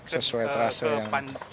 sesuai terasa yang